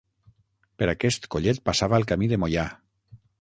Per aquest collet passava el camí de Moià.